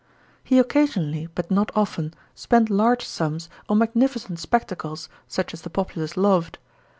He occasionally, but not often, spent large sums on magnificent spectacles, such as the populace loved.